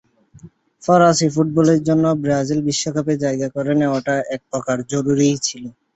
ফরাসি ফুটবলের জন্য ব্রাজিল বিশ্বকাপে জায়গা করে নেওয়াটা একপ্রকার জরুরিই ছিল।